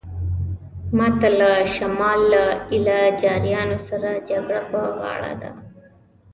ماته له شمال له ایله جاریانو سره جګړه په غاړه ده.